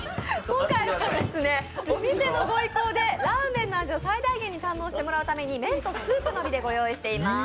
今回はお店のご意向でラーメンの味を最大限に堪能してもらうために麺とスープのみでご用意しております。